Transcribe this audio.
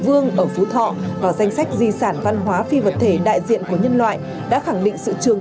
vương ở phú thọ vào danh sách di sản văn hóa phi vật thể đại diện của nhân loại đã khẳng định sự trường